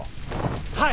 はい！